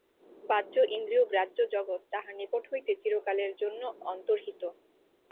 বাহ্য ইন্দ্রিয়গ্রাহ্য জগৎ তাঁহার নিকট হইতে চিরকালের জন্য অন্তর্হিত।